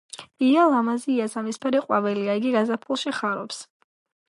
ია ლამაზი იასამისფერი ყვავილა იგი გაზაფხულში ხარობს